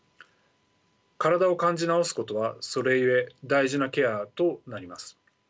体を感じ直すことはそれゆえ大事なケアとなります。